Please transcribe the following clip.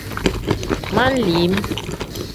Men-lim.